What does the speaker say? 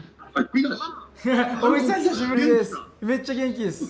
めっちゃ元気です。